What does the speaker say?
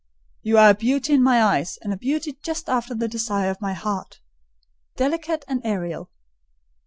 "You are a beauty in my eyes, and a beauty just after the desire of my heart,—delicate and aërial."